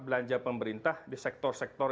belanja pemerintah di sektor sektor